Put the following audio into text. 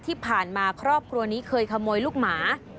ที่ผ่านมาครอบครัวนี้เคยขโมยลูกหมา